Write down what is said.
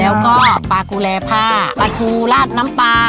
แล้วก็ปลากุแรผ้าปลาชูลาดน้ำปลา